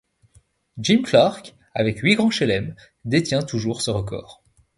Jim Clark, avec huit grands chelems, détient toujours ce record.